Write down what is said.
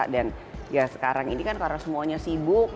dan ya sekarang ini kan karena semuanya sibuk